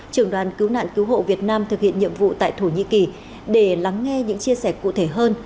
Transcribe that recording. trưởng đoàn cứu nạn cứu hộ việt nam thực hiện nhiệm vụ tại thổ nhĩ kỳ để lắng nghe những chia sẻ cụ thể hơn